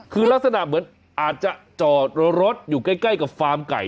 คือลักษณะเหมือนอาจจะจอดรถอยู่ใกล้กับฟาร์มไก่